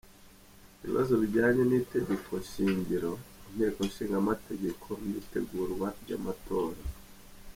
Ibibazo bijyanye n'itegeko shingiro, inteko nshingamateka n'itegurwa ry'amatora; .